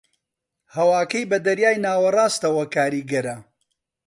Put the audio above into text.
ھەواکەی بە دەریای ناوەڕاستەوە کاریگەرە